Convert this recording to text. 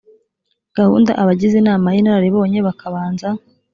gahunda abagize inama y inararibonye bakabanza